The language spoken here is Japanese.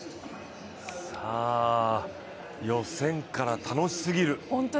予選から楽しすぎる。